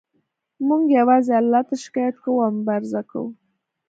موږ یوازې الله ته شکایت کوو او مبارزه کوو